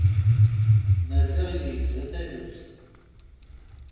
Maziɣ yegza taluft.